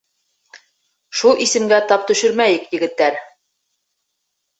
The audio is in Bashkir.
Шул исемгә тап төшөрмәйек, егеттәр!